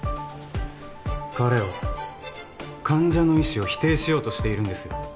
彼は患者の意思を否定しようとしているんですよ？